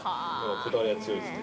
こだわりは強いんですね？